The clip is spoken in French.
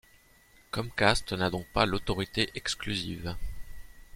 Comcast n'a donc pas l'autorité exclusive.